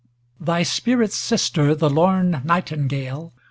XVII Thy spirit's sister, the lorn nightingale.